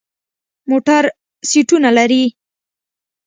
موټر سیټونه لري.